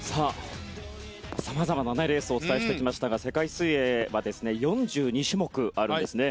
様々なレースをお送りしてきましたが世界水泳は４２種目あるんですね。